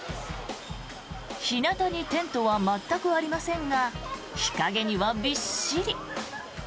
日なたにテントは全くありませんが日陰にはびっしり。